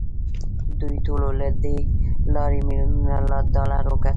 دوی ټولو له دې لارې میلیونونه ډالر وګټل